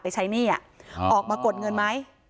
ใช้หนี้ออกมากดเงินไหม